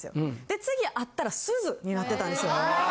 で次会ったら「すず」になってたんですよね。